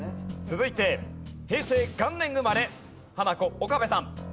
続いて平成元年生まれハナコ岡部さん。